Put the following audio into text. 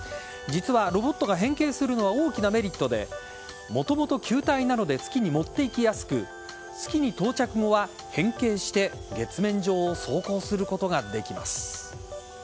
実はロボットが変形するのは大きなメリットでもともと球体なので月に持って行きやすく月に到着後は変形して月面上を走行することができます。